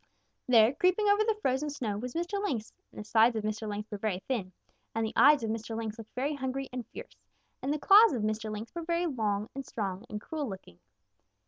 There, creeping over the frozen snow, was Mr. Lynx, and the sides of Mr. Lynx were very thin, and the eyes of Mr. Lynx looked very hungry and fierce, and the claws of Mr. Lynx were very long and strong and cruel looking.